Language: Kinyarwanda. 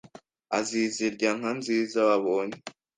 azi zirya nka nziza wabonye